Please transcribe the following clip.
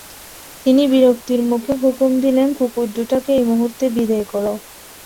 তিনি বিরক্ত মুখে হুকুম দিলেন কুকুর দুটাকে এই মুহূর্তে বিদেয় কর।